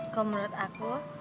kalo menurut aku